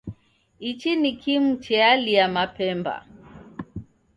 Ichi ni kimu chealia mapemba